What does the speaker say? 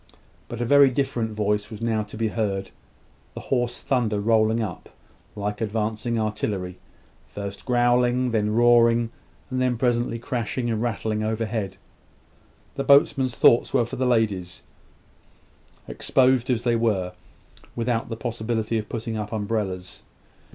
But a very different voice was now to be heard the hoarse thunder rolling up, like advancing artillery; first growling, then roaring, and presently crashing and rattling overhead. The boatmen's thoughts were for the ladies, exposed as they were, without the possibility of putting up umbrellas.